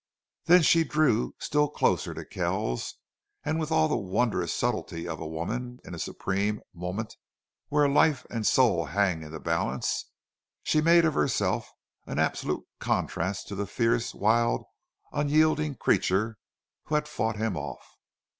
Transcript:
Then she drew still closer to Kells, and with all the wondrous subtlety of a woman in a supreme moment where a life and a soul hang in the balance, she made of herself an absolute contrast to the fierce, wild, unyielding creature who had fought him off.